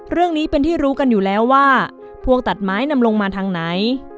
เรื่องนี้เป็นที่รู้กันอยู่แล้วว่าพวงตัดไม้นำลงมาทางไหน